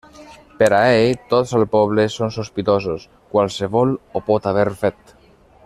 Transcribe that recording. Per a ell, tots al poble són sospitosos, qualsevol ho pot haver fet.